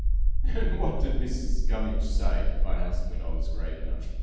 'And what did Mrs. Gummidge say?' I asked, when I was grave enough.